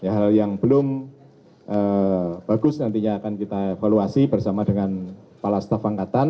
hal yang belum bagus nantinya akan kita evaluasi bersama dengan pala staff